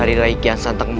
itu dia mezru tuju